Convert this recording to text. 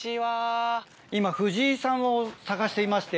今藤井さんを探していまして。